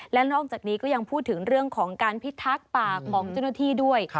และนอกจากนี้ก็ยังพูดถึงเรื่องของการพิทักษ์ป่าของเจ้าหน้าที่ด้วย